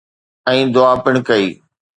۽ دعا پڻ ڪئي